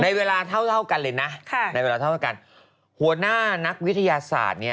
ในเวลาเท่ากันเลยนะเข้าไปว่านักวิทยาศาสตร์นี่